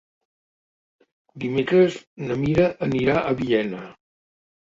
Dimecres na Mira anirà a Villena.